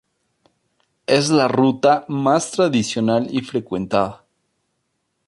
Es la ruta más tradicional y frecuentada.